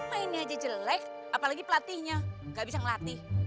mainnya aja jelek apalagi pelatihnya gak bisa ngelatih